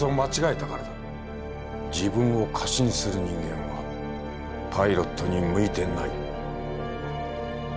自分を過信する人間はパイロットに向いてない。